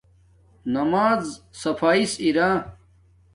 نماز صفایس ارا